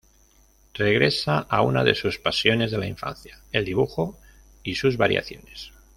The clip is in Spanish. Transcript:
Regresa a una de sus pasiones de la infancia: el dibujo y sus variaciones.